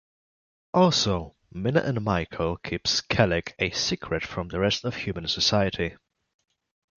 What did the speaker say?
Also, Mina and Michael keep Skellig a secret from the rest of human society.